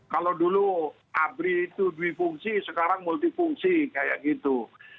kalau dulu abri itu duifungsi sekarang multifungsi kayak gitu